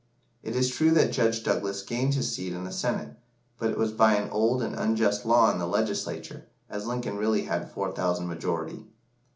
It is true that Judge Douglas gained his seat in the Senate, but it was by an old and unjust law in the Legislature, as Lincoln really had four thousand majority.